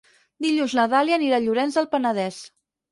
Dilluns na Dàlia anirà a Llorenç del Penedès.